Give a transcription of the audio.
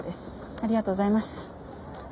ありがとうございます。